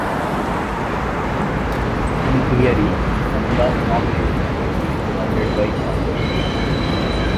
In theory, Kaunda's nominations could be discarded by Congress.